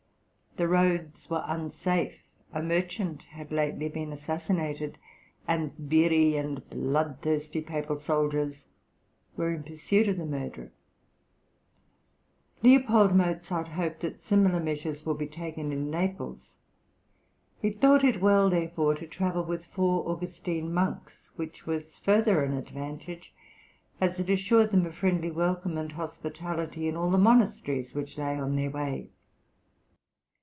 The roads were unsafe, a merchant had lately been assassinated, and "sbirri and bloodthirsty Papal soldiers" were in pursuit of the murderer; L. Mozart hoped that similar measures would be taken in Naples. He thought it well, therefore, to travel with four Augustine monks, which was further an advantage, as it assured them a friendly welcome and hospitality in all the monasteries which lay on their way.